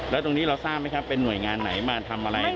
แล้วตรงนี้เราทราบไหมครับเป็นหน่วยงานไหนมาทำอะไร